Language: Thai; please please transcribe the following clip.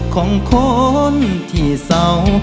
ของคนที่เสา